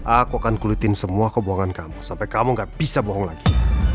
aku akan kulitin semua kebuangan kamu sampai kamu gak bisa bohong lagi